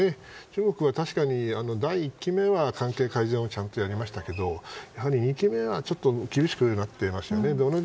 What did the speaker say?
中国は確かに第１期目は関係改善をちゃんとやりましたけれどやはり２期目は厳しくなってましたね。